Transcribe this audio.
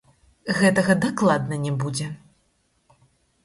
Гэтага дакладна не будзе!